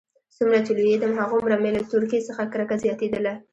څومره چې لوېيدم هماغومره مې له تورکي څخه کرکه زياتېدله.